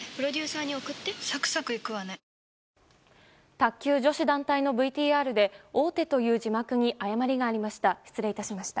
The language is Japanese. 卓球女子団体のＶＴＲで王手という字幕に誤りがありました。